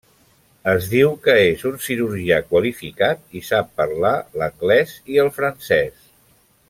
Es diu que és un cirurgià qualificat i sap parlar l'anglès i el francès.